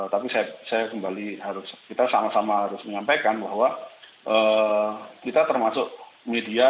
tapi saya kembali harus kita sama sama harus menyampaikan bahwa kita termasuk media